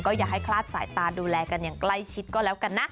อย่าให้คลาดสายตาดูแลกันอย่างใกล้ชิดก็แล้วกันนะ